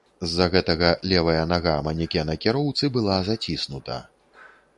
З-за гэтага левая нага манекена кіроўцы была заціснута.